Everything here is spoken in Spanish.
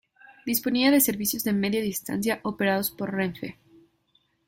Disponía de servicios de Media Distancia operados por Renfe.